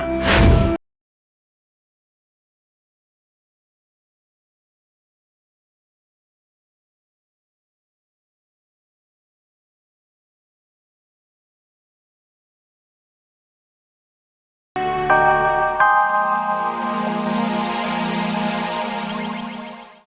tak dipercaya itu renu